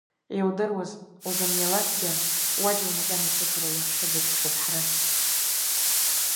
Иудыруаз, узыниалакгьы, уаџьал макьана ишыхароу, уаҳәшьа дукәыхшоуп, Ҳараз!